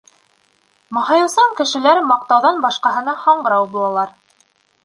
Маһайыусан кешеләр маҡтауҙан башҡаһына һаңғрау булалар.